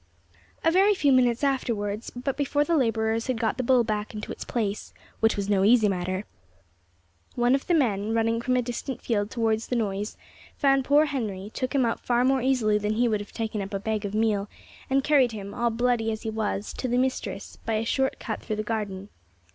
A very few minutes afterwards, but before the labourers had got the bull back into its place, which was no easy matter, one of the men, running from a distant field towards the noise, found poor Henry, took him up far more easily than he would have taken up a bag of meal, and carried him, all bloody as he was, to the mistress, by a short cut through the garden.